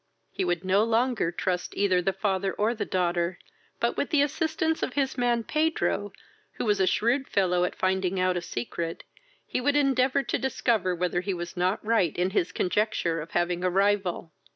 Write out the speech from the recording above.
He would no longer trust either the father or the daughter; but, with the assistance of his man Pedro, who was a shrewd fellow at finding out a secret, he would endeavour to discover whether he was not right in his conjecture of having a rival.